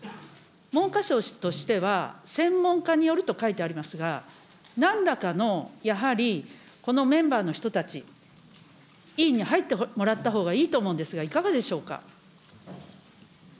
文科省としては専門家によると書いてありますが、なんらかのやはり、このメンバーの人たち、委員に入ってもらったほうがいいと思うんですが、いかがでしょうか。